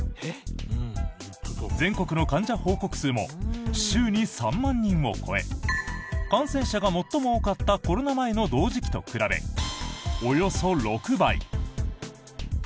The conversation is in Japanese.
全国の患者報告数も週に３万人を超え感染者が最も多かったコロナ前の同時期と比べおよそ６倍。